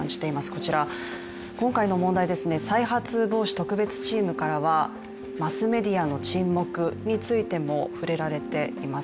こちら、今回の問題、再発防止特別チームからはマスメディアの沈黙についても触れられています。